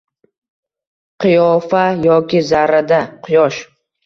Qiyofa yoki zarrada — Quyosh.